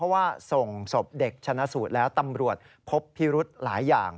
เพราะว่าส่งศพเด็กชนะสูตรแล้วตำรวจพบพิรุธหลายอย่าง